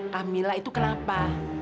kamila itu kenapa